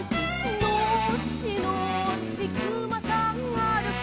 「のっしのっしくまさんあるき」